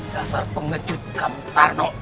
dasar pengecut kamu tarno